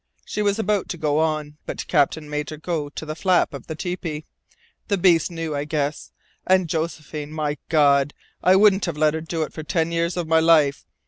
She was about to go on, but Captain made her go to the flap of the tepee. The beast knew, I guess. And Josephine my God, I wouldn't have let her do it for ten years of my life!